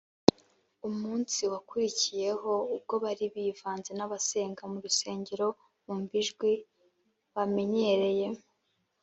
. Umunsi wakurikiyeho, ubwo bari bivanze n’abasenga mu rusengero, bumva ijwi bamenyereye